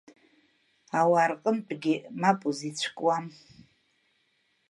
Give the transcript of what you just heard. Ауаа рҟынтәгьы мап узицәкуам…